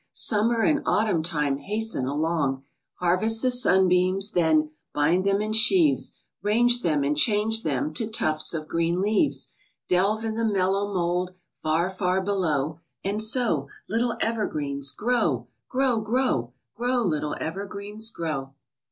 Summer and autumn time Hasten along; Harvest the sunbeams, then, Bind them in sheaves, Range them, and change them To tufts of green leaves. Delve in the mellow mold, Far, far below, And so, Little evergreens, grow! Grow, grow! Grow, little evergreens, grow!